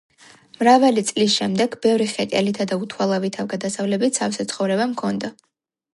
მრავალი წლის შემდეგ, ბევრი ხეტიალითა და უთვალავი თავგადასავლებით სავსე ცხოვრება მქონდა.